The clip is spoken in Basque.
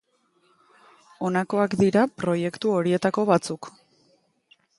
Honakoak dira proiektu horietako batzuk.